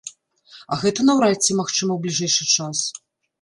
А гэта наўрад ці магчыма ў бліжэйшы час.